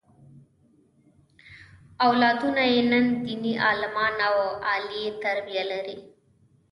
اولادونه یې نن دیني عالمان او عالي تربیه لري.